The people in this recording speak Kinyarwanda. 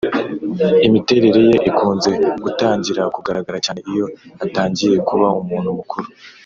Imiterere ye ikunze gutangira kugaragara cyane iyo atangiye kuba umuntu mukuru